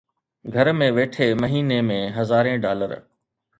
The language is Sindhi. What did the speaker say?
گهر ۾ ويٺي مهيني ۾ هزارين ڊالر